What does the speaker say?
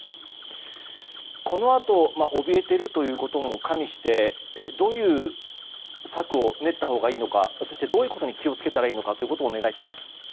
このあと怯えているということも加味してどういう策を練ったほうがいいのかそして、どういうことに気を付けたらいいのかお願いします。